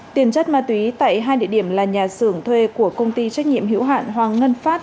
tiền chất ma túy tại hai địa điểm là nhà xưởng thuê của công ty trách nhiệm hữu hạn hoàng ngân phát